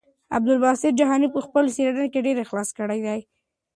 عبدالباسط جهاني په خپله څېړنه کې ډېر اخلاص کړی دی.